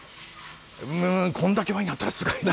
こんだけワインあったらすごい。